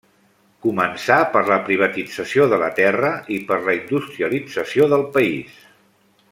Començà per la privatització de la terra i per la industrialització del país.